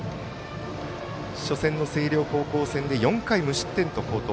初戦の星稜高校戦で４回無失点と好投。